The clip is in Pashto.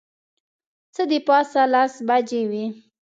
څه د پاسه لس بجې وې.